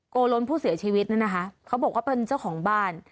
โกล้นผู้เสียชีวิตนั้นนะคะเขาบอกว่าเป็นเจ้าของบ้าน